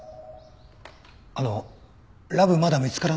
あのラブまだ見つからないですか？